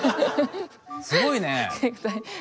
すごいね。